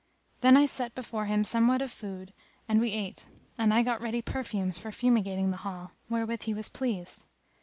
Then I set before him somewhat of food and we ate; and I got ready perfumes for fumigating the hall, wherewith he was pleased.